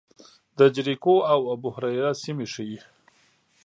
د جریکو او ابوهریره سیمې ښيي.